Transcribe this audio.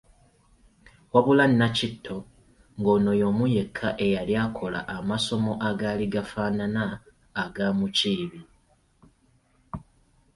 Wabula Nakitto, nga ono y’omu yekka eyali akola amasomo agaali gafaanana aga Mukiibi.